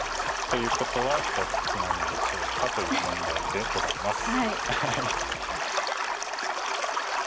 ということはどっちなんでしょうかという問題でございます。